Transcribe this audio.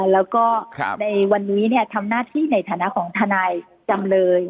แล้วก็ในวันนี้ทำหน้าที่ในฐานะของทนายจำเลย